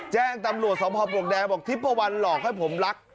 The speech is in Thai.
แจ้งตำรวจสมภาพปลวกแดงบอกทิปเปอร์วันหลอกให้ผมรัก